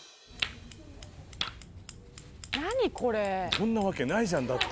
そんなわけないじゃんだって。